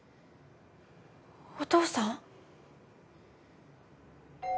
お父さん？